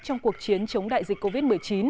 trong cuộc chiến chống đại dịch covid một mươi chín